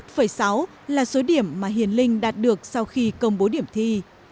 và hai mươi một sáu là số điểm mà hiền linh đạt được sau khi công bố điểm thi